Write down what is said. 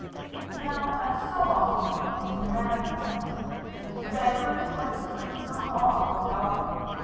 Now, as so often happens in American families, the banker and his wife stood in some awe of their daughter.